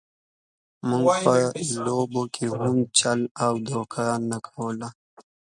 موږ په لوبو کې هم چل او دوکه نه کوله.